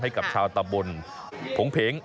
ให้กับชาวตำบลผงเพง